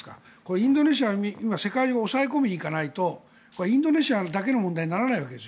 インドネシアを今、世界中で抑え込みにいかないとインドネシアだけの問題にならないわけです。